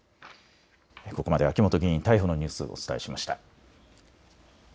ここまで秋本議員逮捕のニュースをお伝えしました。